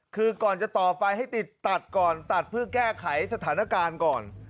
คือก่อนจะต่อไฟให้ติดตัดก่อนตัดเพื่อแก้ไขสถานการณ์ก่อน